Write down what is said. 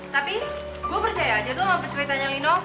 tapi gue percaya aja tuh sama ceritanya lino